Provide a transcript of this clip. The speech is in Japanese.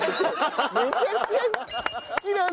めちゃくちゃ好きなんですよ！